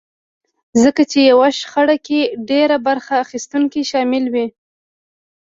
ځکه چې يوه شخړه کې ډېر برخه اخيستونکي شامل وي.